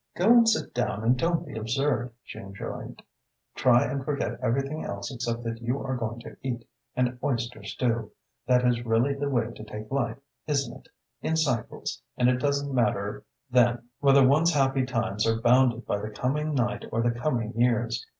"Go and sit down and don't be absurd," she enjoined. "Try and forget everything else except that you are going to eat an oyster stew. That is really the way to take life, isn't it in cycles and it doesn't matter then whether one's happy times are bounded by the coming night or the coming years.